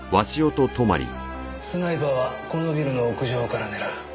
スナイパーはこのビルの屋上から狙う。